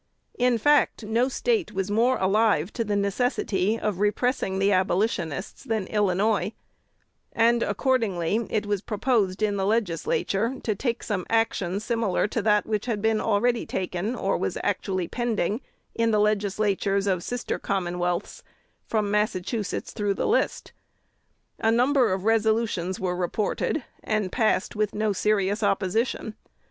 In fact, no State was more alive to the necessity of repressing the Abolitionists than Illinois; and accordingly it was proposed in the Legislature to take some action similar to that which had been already taken, or was actually pending, in the legislatures of sister Commonwealths, from Massachusetts through the list. A number of resolutions were reported, and passed with no serious opposition.